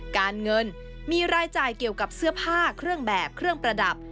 การเงินมีรายจ่ายเกี่ยวกับเสื้อผ้าเครื่องแบบเครื่องประดับ